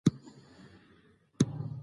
چي خدای څومره پیدا کړی یم غښتلی